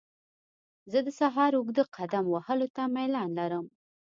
زه د سهار اوږده قدم وهلو ته میلان لرم.